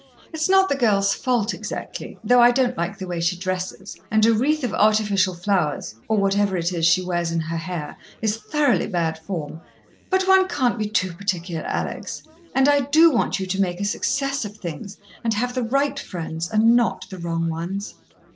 It's not the girl's fault exactly, though I don't like the way she dresses, and a wreath of artificial flowers, or whatever it is she wears in her hair, is thoroughly bad form. But one can't be too particular, Alex, and I do want you to make a success of things, and have the right friends and not the wrong ones."